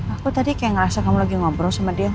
aku tadi kayak ngerasa kamu lagi ngobrol sama dia